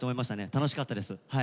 楽しかったです。